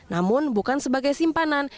namun bukan sebagai simpanan